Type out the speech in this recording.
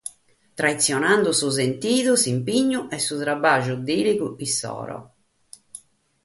Traighende su sentidu, s’impinnu e su traballu dìligu issoro.